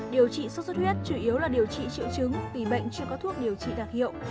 điều trị sốt xuất huyết chủ yếu là điều trị triệu chứng vì bệnh chưa có thuốc điều trị đặc hiệu